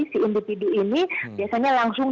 si individu ini biasanya langsung